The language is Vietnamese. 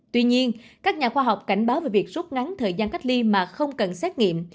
tuy nhiên các nhà khoa học cảnh báo về việc rút ngắn thời gian cách ly mà không cần xét nghiệm